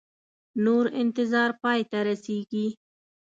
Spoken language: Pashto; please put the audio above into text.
نور انتظار پای ته رسیږي